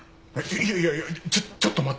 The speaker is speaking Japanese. いやいやいやちょちょっと待って。